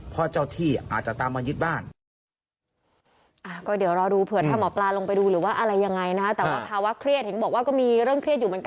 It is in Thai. เพราะเจ้าที่อาจจะตามมายึดบ้าน